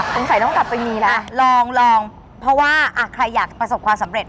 ตรงใส่ตรงขับไปมีนะลองเพราะว่าใครอยากประสบความสำเร็จ